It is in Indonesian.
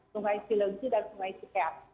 sungai silengsi dan sungai sikeat